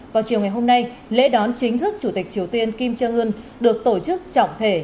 vào chiều ngày hôm nay lễ đón chính thức chủ tịch triều tiên kim jong un được tổ chức trọng thể